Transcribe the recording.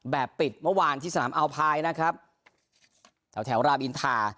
แบบปิดเมื่อวานที่สนามอัลพายนะครับแถวแถวรามอินทา